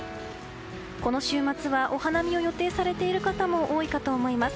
この週末はお花見を予定されている方も多いかと思います。